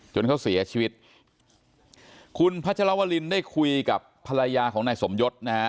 จนเขาเสียชีวิตคุณพัชรวรินได้คุยกับภรรยาของนายสมยศนะฮะ